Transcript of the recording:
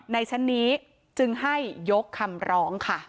ในชั้นนี้จึงให้ยกคำร้องค่ะ